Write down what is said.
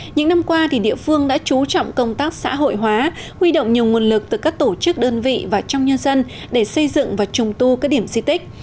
những năm qua địa phương đã chú trọng công tác xã hội hóa huy động nhiều nguồn lực từ các tổ chức đơn vị và trong nhân dân để xây dựng và trùng tu các điểm di tích